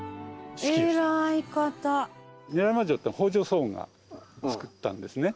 韮山城って北条早雲が造ったんですね。